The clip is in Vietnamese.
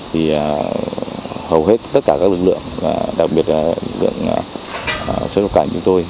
thì hầu hết tất cả các lực lượng đặc biệt lực lượng xuất cảnh chúng tôi